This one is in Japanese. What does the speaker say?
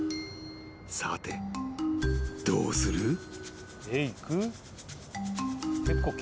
［さてどうする？］